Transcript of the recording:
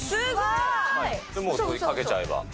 もう引っ掛けちゃえば。